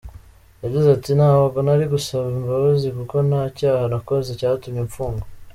Yagize ati “Ntabwo nari gusaba imbabazi kuko nta cyaha nakoze cyatumye mfungwa.”